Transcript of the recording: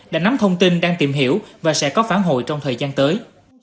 đã nắm thông tin đang tìm hiểu và sẽ có phán hội trong thời gian tới